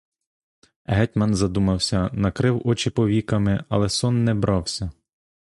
Гетьман задумався, накрив очі повіками, але сон не брався.